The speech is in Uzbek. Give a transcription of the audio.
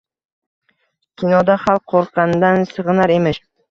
Kinoda xalq qo‘rqqanidan sig‘inar emish